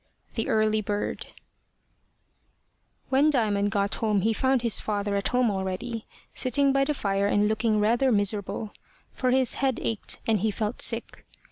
THE EARLY BIRD WHEN Diamond got home he found his father at home already, sitting by the fire and looking rather miserable, for his head ached and he felt sick.